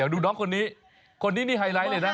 ดูน้องคนนี้คนนี้นี่ไฮไลท์เลยนะ